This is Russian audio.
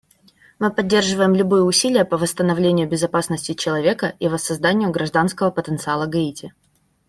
Мы поддерживаем любые усилия по восстановлению безопасности человека и воссозданию гражданского потенциала Гаити.